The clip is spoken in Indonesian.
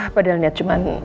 padahal lihat cuma